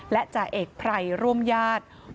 และศาสตร์อเอกไพรร่วมยาตา